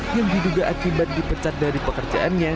yang diduga akibat dipecat dari pekerjaannya